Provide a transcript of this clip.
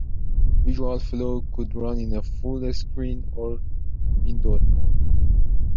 VisualFlow could run in a full-screen or windowed mode.